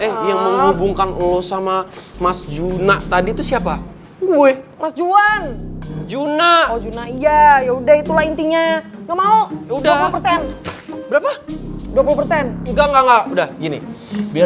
eh yang menghubungkan lo sama mas jules ya